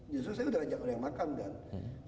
justru saya udah ajak orang yang makam kan